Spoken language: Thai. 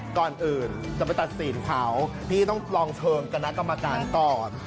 ก่อนอื่นจะไปตัดสินเขาพี่ต้องลองเชิงคณะกรรมการก่อน